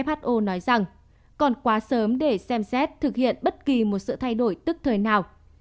tổ chức y tế thế giới who nói rằng còn quá sớm để xem xét thực hiện bất kỳ một sự thay đổi tức thời nào